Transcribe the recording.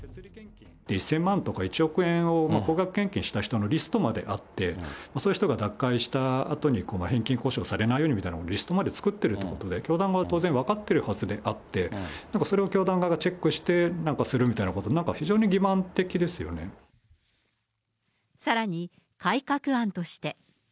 １０００万とか、１億円を高額献金した人のリストまであって、そういう人が脱会したあとに、返金交渉されないようにみたいなリストまで作ってるということで、教団側は当然分かってあるはずであって、それを教団側がチェックをして、なんかするみたいなこと、さらに、改革案として。